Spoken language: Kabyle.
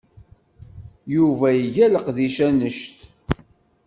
Yuba iga leqdic annect.